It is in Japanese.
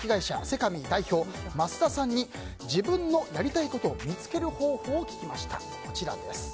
セカミー代表増田さんに自分のやりたいことを見つける方法を聞きました。